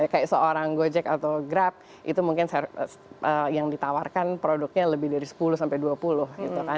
kayak seorang gojek atau grab itu mungkin yang ditawarkan produknya lebih dari sepuluh sampai dua puluh gitu kan